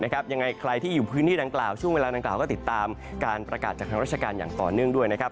ยังไงใครที่อยู่พื้นที่ดังกล่าวช่วงเวลาดังกล่าก็ติดตามการประกาศจากทางราชการอย่างต่อเนื่องด้วยนะครับ